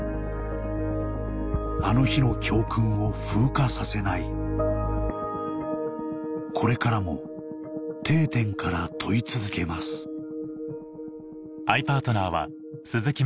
あの日の教訓を風化させないこれからも「定点」から問い続けます書けません。